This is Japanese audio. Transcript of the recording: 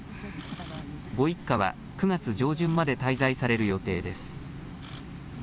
ご一家は、９月上旬まで滞在される予定です。